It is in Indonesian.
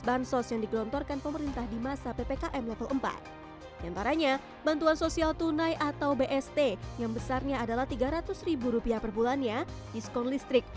bantuan sosial tunai atau bst yang besarnya adalah tiga ratus rupiah perbulannya diskon listrik